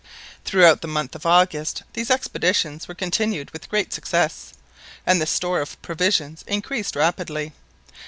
Throughout the month of August these expeditions were continued with great success, and the store of provisions increased rapidly.